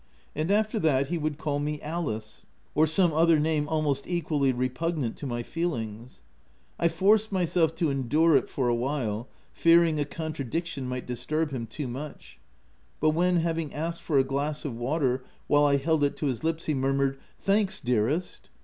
And after that, he would call me Alice — or some other name almost equally repugnant to my feelings. I forced myself to endure it for a while, fearing a contradiction might disturb him too much : but when, having asked for a glass of water, while I held it to his lips, he murmured "Thanks, dearest!"